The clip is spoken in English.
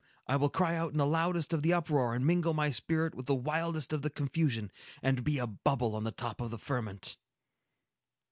I will cry out in the loudest of the uproar, and mingle my spirit with the wildest of the confusion, and be a bubble on the top of the ferment!"